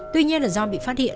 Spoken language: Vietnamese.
tuy nhiên là do bị phát hiện